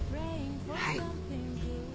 はい。